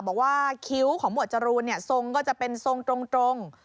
บอกว่าคิ้วของหมวดจรูนเนี่ยทรงก็จะเป็นทรง